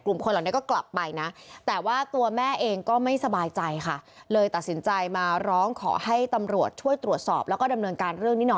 กลุ่มคนเหล่านี้ก็กลับไปนะ